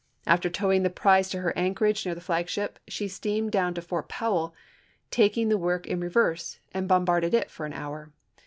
After towing the prize to her anchorage near the flagship, she steamed down to Fort Powell, taking the work in reverse, and bombarded it for an hour.